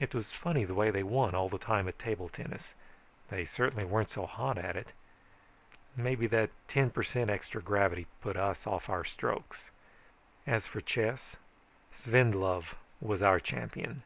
"It was funny the way they won all the time at table tennis. They certainly weren't so hot at it. Maybe that ten per cent extra gravity put us off our strokes. As for chess, Svendlov was our champion.